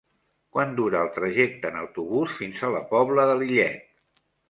Quant dura el trajecte en autobús fins a la Pobla de Lillet?